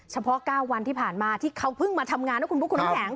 เฉพาะ๙วันที่ผ่านมาที่เขาเพิ่งมาทำงานนะคุณบุ๊คคุณน้ำแข็ง